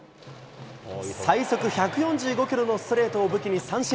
最速１４５キロのストレートを武器に三振。